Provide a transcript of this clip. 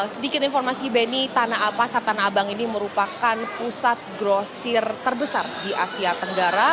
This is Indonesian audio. sedikit informasi benny pasar tanah abang ini merupakan pusat grosir terbesar di asia tenggara